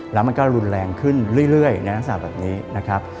แล้วมันก็รุนแรงขึ้นเรื่อยในลักษณะแบบนี้นะครับ